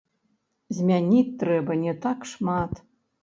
Змяніць трэба не так шмат.